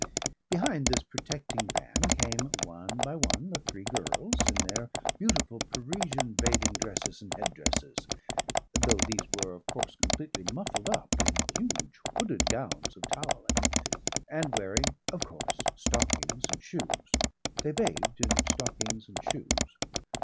Behind this protecting van came, one by one, the three girls, in their beautiful Parisian bathing dresses and headdresses though these were of course completely muffled up in huge hooded gowns of towelling and wearing of course stockings and shoes they bathed in stockings and shoes.